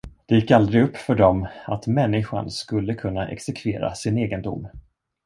Det gick aldrig upp för dem att människan skulle kunna exekvera sin egen dom.